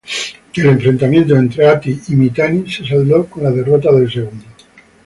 El enfrentamiento entre Hatti y Mitanni se saldó con la derrota del segundo.